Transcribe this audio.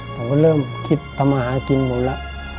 ผมก็เริ่มคิดทำอาหารกินหมดแล้ว